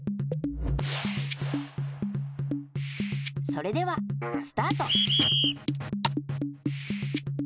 それではスタート！